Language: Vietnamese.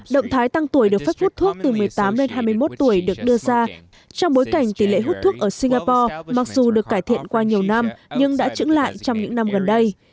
động thái tăng tuổi được phép hút thuốc từ một mươi tám lên hai mươi một tuổi được đưa ra trong bối cảnh tỷ lệ hút thuốc ở singapore mặc dù được cải thiện qua nhiều năm nhưng đã trứng lại trong những năm gần đây